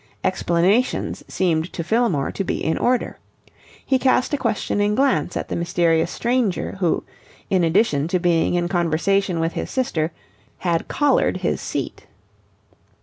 Explanations seemed to Fillmore to be in order. He cast a questioning glance at the mysterious stranger, who, in addition to being in conversation with his sister, had collared his seat.